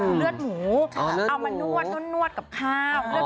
คือเลือดหมูเอามานวดนวดกับข้าว